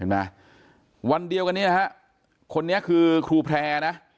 เห็นมั้ยวันเดียวกันเนี้ยฮะคนนี้คือครูแพร่นะ